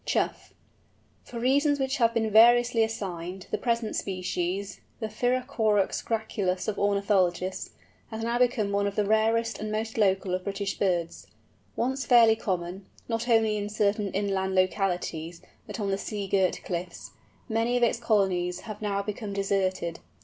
CHOUGH. For reasons which have been variously assigned, the present species, the Pyrrhocorax graculus of ornithologists, has now become one of the rarest and most local of British birds. Once fairly common, not only in certain inland localities, but on the sea girt cliffs, many of its colonies have now become deserted.